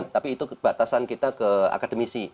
tapi itu kebatasan kita ke akademisi